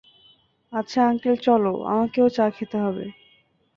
আচ্ছা আঙ্কেল চলো, - আমাকেও চা খেতে হবে।